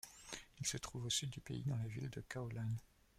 Il se trouve au sud du pays, dans la ville de Cao Lãnh.